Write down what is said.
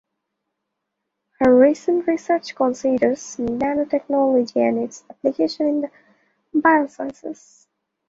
Her recent research considers nanotechnology and its applications in the biosciences.